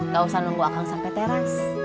gak usah nunggu akang sampe teras